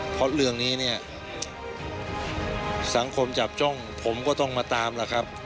เพราะเรื่องนี้เนี่ยสังคมจับจ้องผมก็ต้องมาตามล่ะครับ